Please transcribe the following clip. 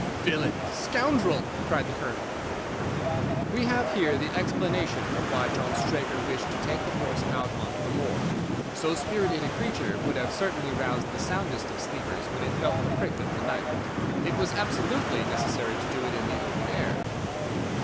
"Villain! Scoundrel!" cried the Colonel. "We have here the explanation of why John Straker wished to take the horse out on to the moor. So spirited a creature would have certainly roused the soundest of sleepers when it felt the prick of the knife. It was absolutely necessary to do it in the open air."